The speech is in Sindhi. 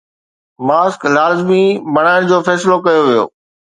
ماسڪ لازمي بڻائڻ جو فيصلو ڪيو ويو.